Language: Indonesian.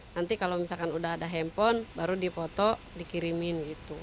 nanti kalau misalkan udah ada handphone baru dipoto dikirimin gitu